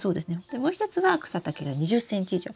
でもう一つは草丈が２０ｃｍ以上。